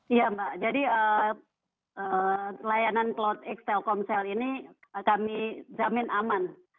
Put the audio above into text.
iya mbak jadi layanan cloudx telkomsel ini kami jamin aman